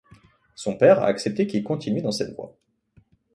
Son père a accepté qu'il continue dans cette voie.